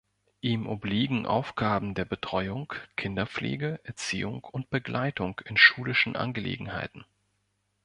Ihm obliegen Aufgaben der Betreuung, Kinderpflege, Erziehung und Begleitung in schulischen Angelegenheiten.